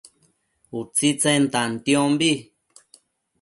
utsitsen tantiombi